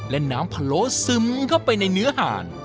และน้ำพะโล้ซึมเข้าไปในเนื้อหาน